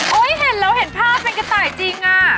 เห็นแล้วเห็นภาพเป็นกระต่ายจริงอะ